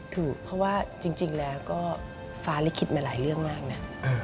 ถูกเพราะว่าจริงแล้วก็ฟ้าลิขิตมาหลายเรื่องมากนะ